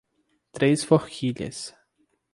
Três Forquilhas